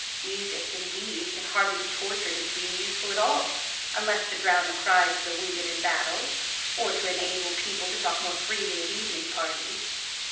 Music, indeed, can hardly be tortured into being useful at all, unless to drown the cries of the wounded in battle, or to enable people to talk more freely at evening parties.